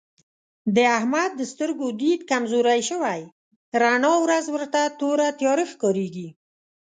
د احمد د سترګو دید کمزوری شوی رڼا ورځ ورته توره تیاره ښکارېږي.